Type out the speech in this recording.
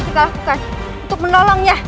kita lakukan untuk menolongnya